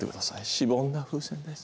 しぼんだ風船です。